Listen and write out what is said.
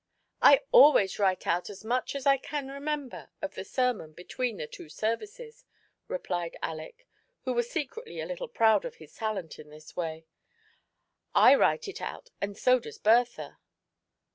" I always write out as 'much as I can remember of the sermon between the two services," replied Aleck, who was secretly a little proud of his talent in this way. *' I write it out, and so does Bertha."